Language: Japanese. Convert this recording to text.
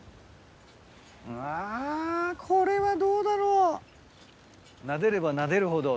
あこれはどうだろう？